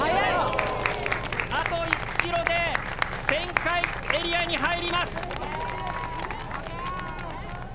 あと１ｋｍで旋回エリアに入ります。